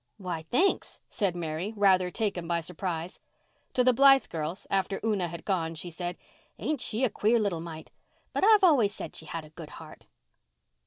"Why, thanks," said Mary, rather taken by surprise. To the Blythe girls, after Una had gone, she said, "Ain't she a queer little mite? But I've always said she had a good heart."